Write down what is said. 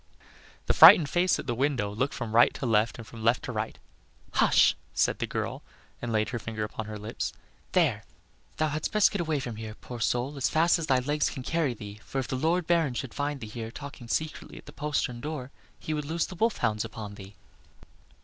The frightened face at the window looked from right to left and from left to right. "Hush," said the girl, and laid her finger upon her lips. "There! thou hadst best get away from here, poor soul, as fast as thy legs can carry thee, for if the Lord Baron should find thee here talking secretly at the postern door, he would loose the wolf hounds upon thee."